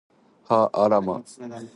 はあら、ま